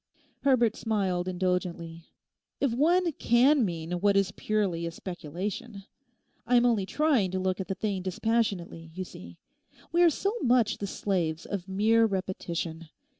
Herbert smiled indulgently. 'If one can mean what is purely a speculation. I am only trying to look at the thing dispassionately, you see. We are so much the slaves of mere repetition.